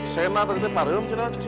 sena tadi sena tadi sena tadi